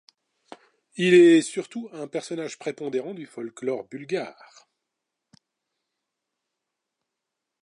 Il est surtout un personnage prépondérant du folklore bulgare.